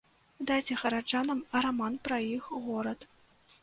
Дайце гараджанам раман пра іх горад.